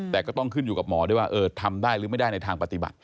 แต่ก็ต้องขึ้นอยู่กับหมอด้วยว่าทำได้หรือไม่ได้ในทางปฏิบัติ